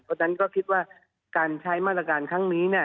เพราะฉะนั้นก็คิดว่าการใช้มาตรการครั้งนี้